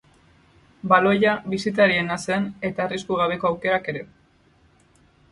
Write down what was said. Baloia bisitariena zen eta arrisku gabeko aukerak, ere.